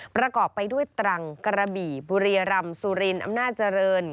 ประกอบไปด้วยตรังกระบี่บุรียรำสุรินอำนาจเจริญ